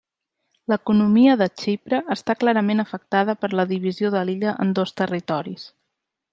L'economia de Xipre està clarament afectada per la divisió de l'illa en dos territoris.